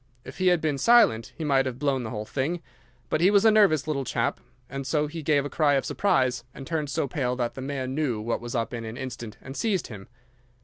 If he had been silent he might have blown the whole thing, but he was a nervous little chap, so he gave a cry of surprise and turned so pale that the man knew what was up in an instant and seized him.